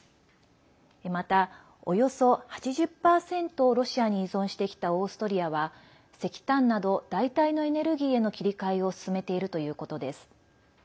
また、およそ８０％をロシアに依存してきたオーストリアは、石炭など代替のエネルギーへの切り替えを進めているということです。